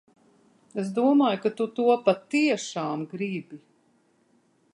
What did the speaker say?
Es domāju, ka tu to patiešām gribi.